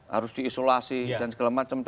harus diisolasi dan segala macam